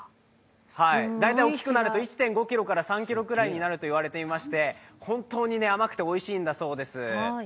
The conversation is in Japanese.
大きくなると１．５ｋｇから３ｋｇぐらいになると言われていまして、本当に甘くておいしいんだそうです。